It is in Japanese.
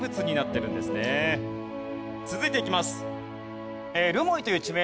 続いていきます。